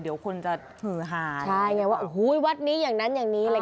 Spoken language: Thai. เดี๋ยวคนจะหือหาใช่ไงว่าโอ้โหวัดนี้อย่างนั้นอย่างนี้เลย